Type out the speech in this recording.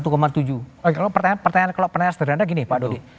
kalau pertanyaan seteran anda gini pak dodi